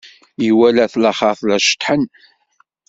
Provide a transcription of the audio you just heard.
Iwala at laxeṛt la ceṭṭḥen.